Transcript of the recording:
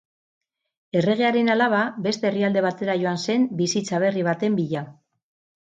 Erregearen alaba beste herrialde batera joan zen bizitza berri baten bila